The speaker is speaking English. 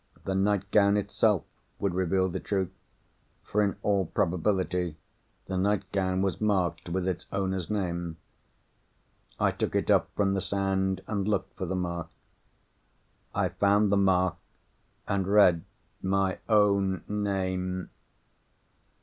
The nightgown itself would reveal the truth, for, in all probability, the nightgown was marked with its owner's name. I took it up from the sand, and looked for the mark. I found the mark, and read—MY OWN NAME.